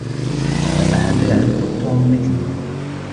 لا أحد يعرف توم مثلي.